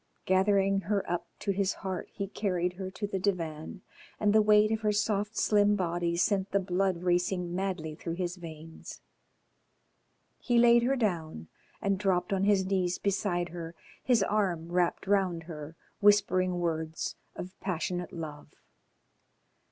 Gathering her up to his heart he carried her to the divan, and the weight of her soft slim body sent the blood racing madly through his veins. He laid her down, and dropped on his knees beside her, his arm wrapped round her, whispering words of passionate love.